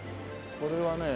これはね